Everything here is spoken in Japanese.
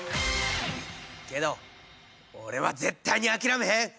けど俺は絶対に諦めへん！